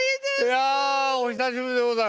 いやお久しぶりでございます。